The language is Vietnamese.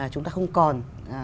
chúng ta không còn